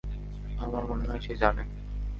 আমার মনে হয় সে জানে।